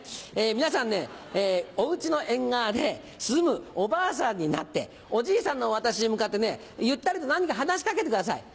皆さんねお家の縁側で涼むおばあさんになっておじいさんの私に向かってゆったりと何か話し掛けてください。